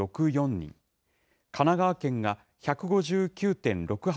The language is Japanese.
人、神奈川県が１５９．６８